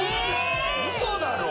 ウソだろ！